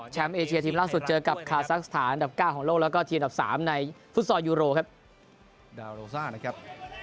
แชมป์เอเชียทีมล่าสุดเจอกับคาซักสถานดับ๙ของโลกแล้วก็ทีมดับ๓ในฟุตซอร์ยูโรครับ